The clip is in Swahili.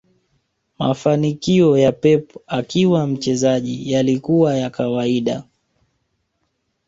mafanikio ya Pep akiwa mchezaji yalikuwa ya kawaida